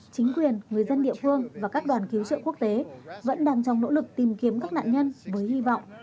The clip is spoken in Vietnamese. chính quyền người dân địa phương và các đoàn cứu trợ quốc tế vẫn đang trong nỗ lực tìm kiếm các nạn nhân với hy vọng